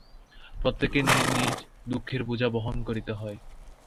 প্রত্যেককেই নিজ নিজ দুঃখের বোঝা বহন করিতে হয়।